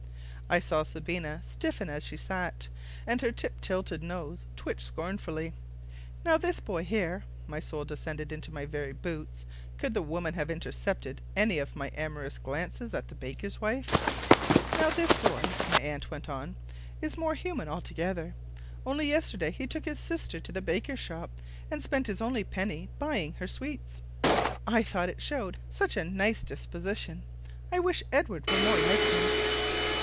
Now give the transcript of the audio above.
(I saw Sabina stiffen as she sat, and her tip tilted nose twitched scornfully.) "Now this boy here " (my soul descended into my very boots. Could the woman have intercepted any of my amorous glances at the baker's wife?) "Now this boy," my aunt went on, "is more human altogether. Only yesterday he took his sister to the baker's shop, and spent his only penny buying her sweets. I thought it showed such a nice disposition. I wish Edward were more like him!"